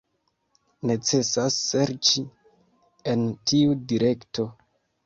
Necesas serĉi en tiu direkto.